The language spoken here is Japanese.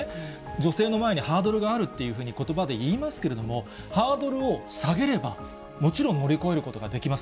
女性の前にハードルがあるっていうふうにことばで言いますけれども、ハードルを下げれば、もちろん乗り越えることができます。